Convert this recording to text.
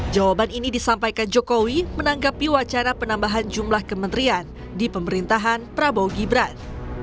jawaban ini disampaikan jokowi menanggapi wacana penambahan jumlah kementerian di pemerintahan prabowo gibran